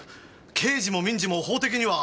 刑事も民事も法的には。